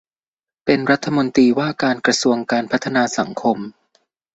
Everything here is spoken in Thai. เป็นรัฐมนตรีว่าการกระทรวงการพัฒนาสังคม